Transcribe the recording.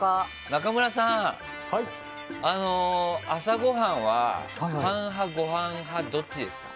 中村さん、朝ごはんはパン派かご飯派かどっちですか？